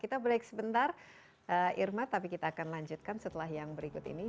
kita break sebentar irma tapi kita akan lanjutkan setelah yang berikut ini